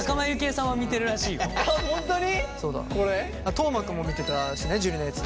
斗真君も見てたしね樹のやつ。